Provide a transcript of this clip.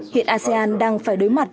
hiện asean đang phải đối mặt